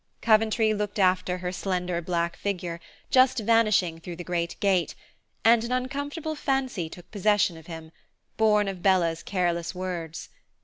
Coventry looked after her slender black figure, just vanishing through the great gate, and an uncomfortable fancy took possession of him, born of Bella's careless words.